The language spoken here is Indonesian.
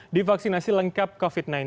divaksinasi lengkap covid sembilan belas